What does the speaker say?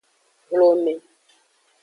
Hlome.